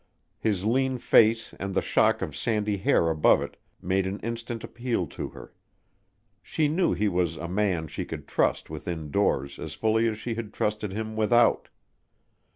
His lean face and the shock of sandy hair above it made an instant appeal to her. She knew he was a man she could trust within doors as fully as she had trusted him without.